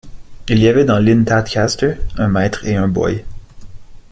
Il y avait dans l’inn Tadcaster un maître et un boy.